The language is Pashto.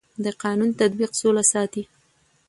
د قانون تطبیق سوله ساتي